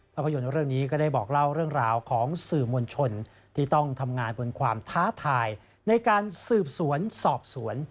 ภาพยนตร์เรื่องนี้ก็ได้บอกเล่าเรื่องราวของสื่อมวลชนที่ต้องทำงานบนความท้าทายในการสืบสวนสอบสวน